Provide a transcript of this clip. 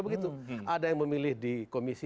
begitu ada yang memilih di komisi